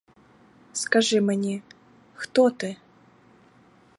Скажи мені, хто ти?